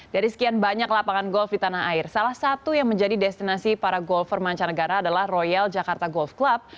dari sekian banyak lapangan golf di tanah air salah satu yang menjadi destinasi para golfer mancanegara adalah royal jakarta golf club